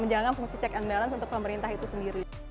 menjalankan fungsi check and balance untuk pemerintah itu sendiri